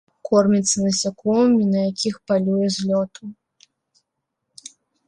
Корміцца насякомымі, на якіх палюе з лёту.